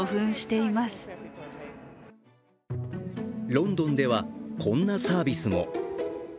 ロンドンではこんなサービスも。